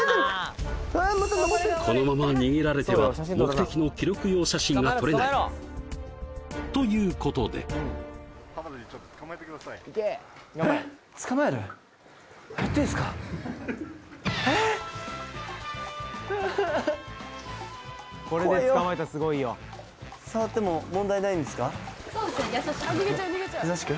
このまま逃げられては目的の記録用写真が撮れないということでえっうう優しく？